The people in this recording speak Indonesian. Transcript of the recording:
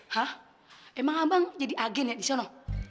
hah emang abang jadi agen ya di sana